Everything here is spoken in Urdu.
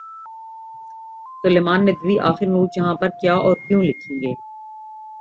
سلیمان ندوی آخر نورجہاں پر کیا اور کیوں لکھیں گے؟